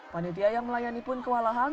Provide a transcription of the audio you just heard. panitia yang melayani pun kewalahan